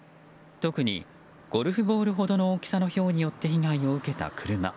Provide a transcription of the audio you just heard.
特にゴルフボールほどの大きさのひょうによって被害を受けた車。